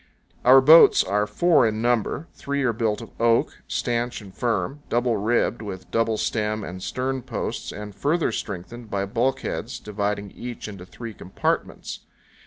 Our boats are four in number. Three are built of oak; stanch and firm; double ribbed, with double stem and stern posts, and further strengthened by bulkheads, dividing each into three compartments.